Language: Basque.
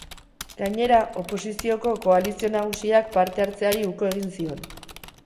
Gainera, oposizioko koalizio nagusiak parte hartzeari uko egin zion.